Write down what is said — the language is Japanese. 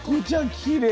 きれい。